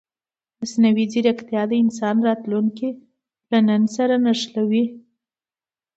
مصنوعي ځیرکتیا د انسان راتلونکی له نن سره نښلوي.